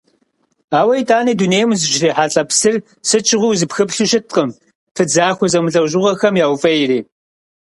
Ауэ итӀани дунейм узыщрихьэлӀэ псыр сыт щыгъуи узыпхыплъу щыткъым, пыдзахуэ зэмылӀэужьыгъуэхэм яуфӀейри.